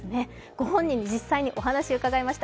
ご本人に実際にお話を伺いました。